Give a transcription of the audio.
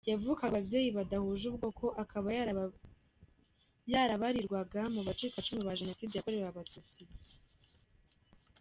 Yavukaga ku babyeyi badahuje ubwoko, akaba yarabarirwaga mu bacikacumu ba jenoside yakorewe abatutsi.